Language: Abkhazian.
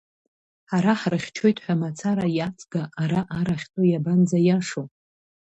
Ҳара ҳрыхьчоит ҳәа мацара иаҵга, ара ар ахьтәоу иабанӡаиашоу?